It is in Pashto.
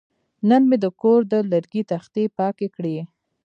نن مې د کور د لرګي تختې پاکې کړې.